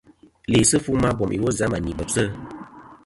Læsɨ fu ma bom iwo zɨ a mà ni bebsɨ.